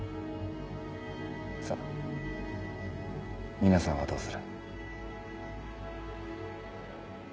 さあ皆さんはどうする？